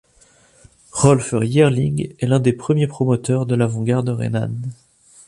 Rolf Jährling est l'un des premiers promoteurs de l'avant-garde rhénane.